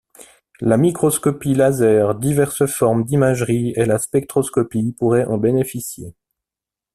La microscopie laser, diverses formes d'imagerie et la spectroscopie pourraient en bénéficier.